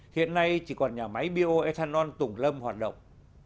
hiện nay chỉ còn nhà máy bioethanol tủng lâm hoạt động